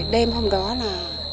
đêm hôm đó là